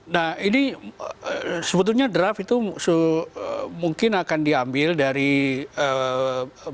nah ini sebetulnya draft itu mungkin akan diambil dari eee